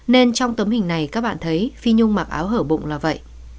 nên trong tấm hình này các bạn thấy phi nhung mặc áo hở bụng là vậy